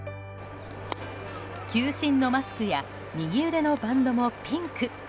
球審のマスクや右腕のバンドもピンク。